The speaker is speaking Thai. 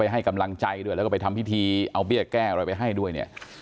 ให้กำลังใจด้วยแล้วก็ไปทำพิธีเอาเบี้ยแก้อะไรไปให้ด้วยเนี่ย